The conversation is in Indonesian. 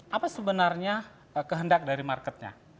apa sebenarnya kehendak dari marketnya